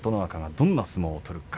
どんな相撲を取るか。